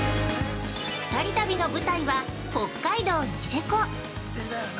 ◆２ 人旅の舞台は、北海道・ニセコ